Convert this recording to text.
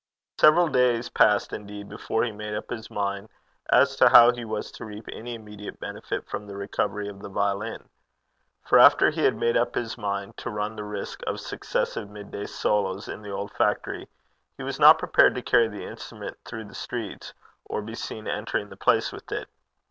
Several days passed indeed before he made up his mind as to how he was to reap any immediate benefit from the recovery of the violin. For after he had made up his mind to run the risk of successive mid day solos in the old factory he was not prepared to carry the instrument through the streets, or be seen entering the place with it.